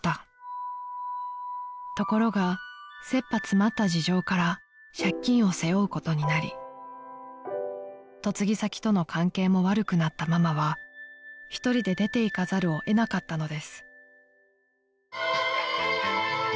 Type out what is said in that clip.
［ところが切羽詰まった事情から借金を背負うことになり嫁ぎ先との関係も悪くなったママは一人で出ていかざるを得なかったのです］